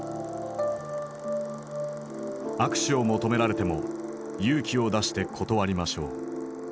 「握手を求められても勇気を出して断りましょう。